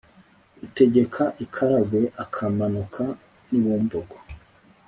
Utegeka i Karagwe akamanuka n'ibumbogo